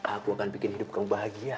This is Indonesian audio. aku akan bikin hidup kamu bahagia